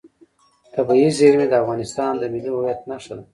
طبیعي زیرمې د افغانستان د ملي هویت نښه ده.